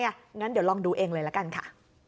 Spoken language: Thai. งั้นเดี๋ยวลองดูเองเลยละกันค่ะ